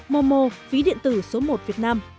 momo phí điện tử số một việt nam